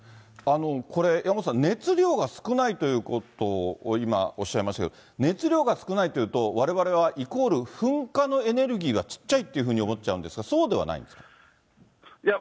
これ、山元さん、熱量が少ないということを今、おっしゃいましたけど、熱量が少ないっていうと、われわれはイコール噴火のエネルギーがちっちゃいというふうに思っちゃうんですが、そうではないんですか。